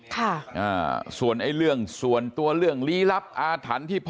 ค่ะอ่าส่วนไอ้เรื่องส่วนตัวเรื่องลี้ลับอาถรรพ์ที่พอ